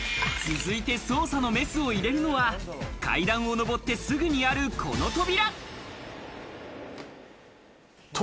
続いて捜査のメスを入れるのは階段を上ってすぐにある、この扉！